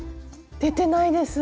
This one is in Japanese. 出てないです！